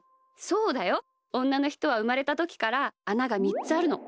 そうだよ。おんなのひとはうまれたときからあなが３つあるの。